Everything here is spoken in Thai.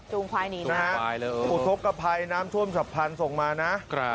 จูงควายนี้นะอุทธกภัยน้ำท่วมฉับพลันส่งมานะ